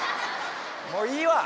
もういいわ。